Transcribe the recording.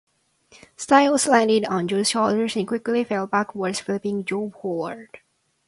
Styles landed on Joe's shoulders and quickly fell backwards, flipping Joe forward.